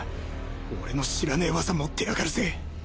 俺の知らねえ技持ってやがるぜ